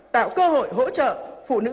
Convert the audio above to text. tạo cơ hội hỗ trợ phụ nữ